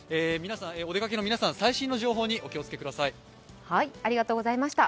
おでかけの皆さん、最新の情報にお気をつけください。